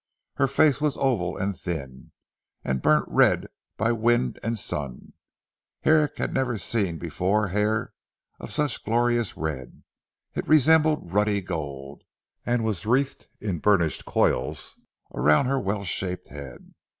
Her face was oval and thin, and burnt red by wind and sun. Herrick had never before seen hair of such a glorious red; it resembled ruddy gold, and was wreathed in burnished coils round her well shaped head.